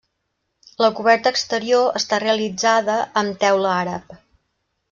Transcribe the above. La coberta exterior està realitzada amb teula àrab.